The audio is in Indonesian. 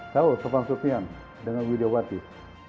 tahu sopan sukses dengan widya watis